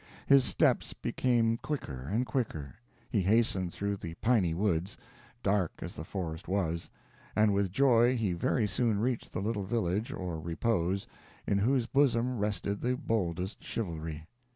His steps became quicker and quicker he hastened through the _piny _woods, dark as the forest was, and with joy he very soon reached the little village of repose, in whose bosom rested the boldest chivalry.